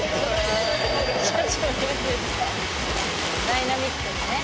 ダイナミックなね。